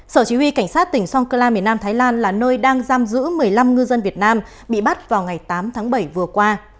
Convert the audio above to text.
sở chỉ huy cảnh sát tỉnh sonkula miền nam thái lan là nơi đang giam giữ một mươi năm ngư dân việt nam bị bắt vào ngày tám tháng bảy vừa qua